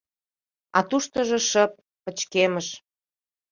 А туштыжо шып, пычкемыш.